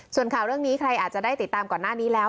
ส่วนข่าวเรื่องนี้ใครอาจจะได้ติดตามก่อนหน้านี้แล้ว